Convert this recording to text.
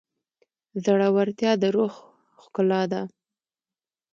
زړورتیا د روح ښکلا ده.